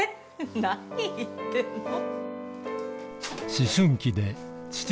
何言ってんの？